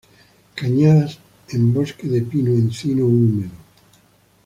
Cañadas, en bosque de pino-encino húmedo.